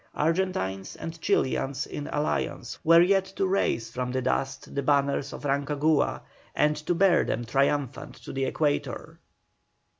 Argentines and Chilians in alliance were yet to raise from the dust the banners of Rancagua, and to bear them triumphant to the Equator.